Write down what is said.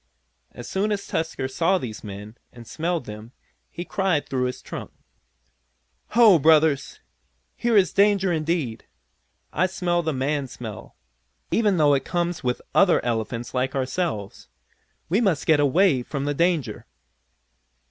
As soon as Tusker saw these men, and smelled them, he cried through his trunk: "Ho, Brothers! Here is danger indeed! I smell the man smell, even though it comes with other elephants like ourselves. We must get away from the danger!"